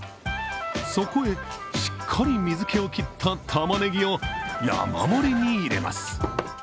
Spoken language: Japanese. そこへ、しっかり水気を切ったたまねぎを山盛りに入れます。